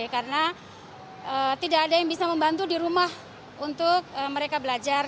karena tidak ada yang bisa membantu di rumah untuk mereka belajar